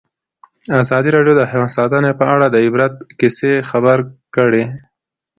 ازادي راډیو د حیوان ساتنه په اړه د عبرت کیسې خبر کړي.